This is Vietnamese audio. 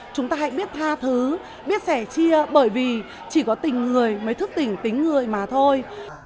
chúng ta hãy biết tha thứ biết sẻ chia bởi vì chỉ có tình người mới thức tỉnh tính người mà thôi